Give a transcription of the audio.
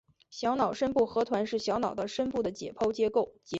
小脑深部核团是小脑的深部的解剖结构。